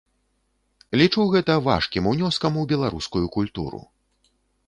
Лічу гэта важкім унёскам у беларускую культуру.